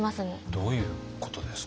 どういうことですか？